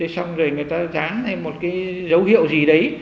xong rồi người ta ráng một dấu hiệu gì đấy